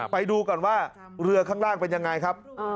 ไปดูก่อนว่าเรือข้างล่างเป็นยังไงครับ